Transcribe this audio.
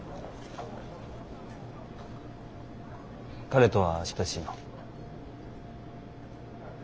彼とは親しいの？